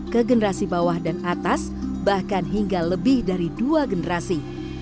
ke generasi bawah dan atas bahkan hingga lebih dari dua generasi